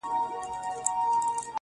• يو خوا يې توره سي تياره ښكاريږي.